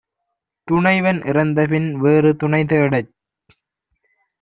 துணைவன் இறந்தபின் வேறு துணைதேடச்